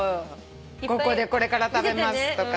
ここでこれから食べますとかさ。